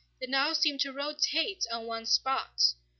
They now seemed to rotate on one spot.